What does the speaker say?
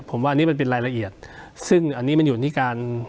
ผมว่าอันนี้มันเป็นรายละเอียดซึ่งอันนี้มันอยู่ที่การ